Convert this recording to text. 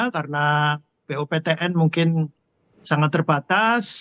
karena boptn mungkin sangat terbatas